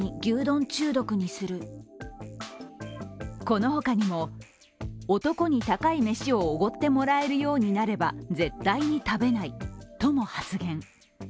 この他にも、男に高い飯をおごってもらえるようになれば絶対に食べないとも発言。